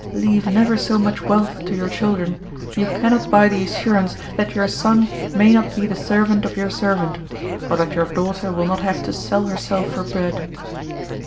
Leave never so much wealth to your children, you cannot buy the assurance that your son may not be the servant of your servant, or that your daughter will not have to sell herself for bread."